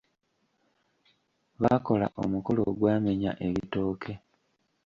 Baakola omukolo agwamenya ebitooke.